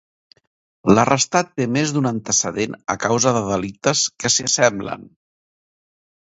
L'arrestat té més d'un antecedent a causa de delictes que s'hi assemblen.